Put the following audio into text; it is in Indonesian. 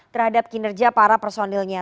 terhadap kinerja para personilnya